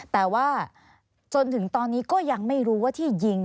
แต่ว่าจนถึงตอนนี้ก็ยังไม่รู้ว่าที่ยิง